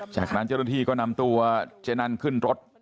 จากนั้นเจ้าหน้าที่ก็นำตัวเจนันขึ้นรถ